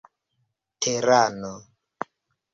terano